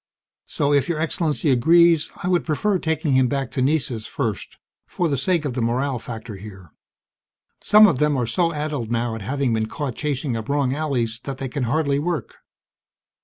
"... so if Your Excellency agrees, I would prefer taking him back to Nessus first, for the sake of the morale factor here. Some of them are so addled now at having been caught chasing up wrong alleys that they can hardly work."